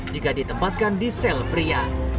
jika ditempatkan di sel pria